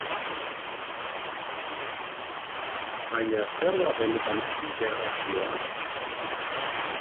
Baina zer da benetan integrazioa?